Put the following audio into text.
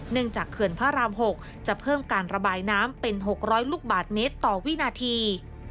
จากเขื่อนพระราม๖จะเพิ่มการระบายน้ำเป็น๖๐๐ลูกบาทเมตรต่อวินาที